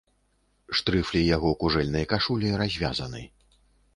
Штрыфлі яго кужэльнай кашулі развязаны.